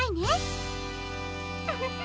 ウフフ！